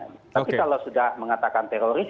tapi kalau sudah mengatakan teroris